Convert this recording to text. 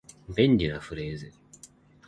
便利なフレーズ